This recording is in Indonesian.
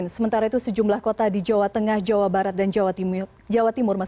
sementara itu sejumlah kota di jawa tengah jawa barat dan jawa timur